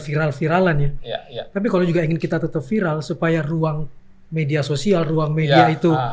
viral viralan ya tapi kalau juga ingin kita tetap viral supaya ruang media sosial ruang media itu